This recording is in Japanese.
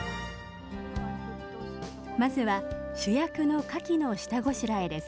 まずは主役のかきの下ごしらえです。